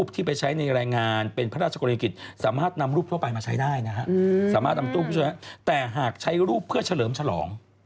แต่หากใช้รูปเพื่อเฉลิมฉลอง